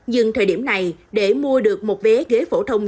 nhưng thời điểm này để mua được một vé ghế phổ thông